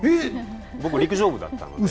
僕、陸上部だったんで。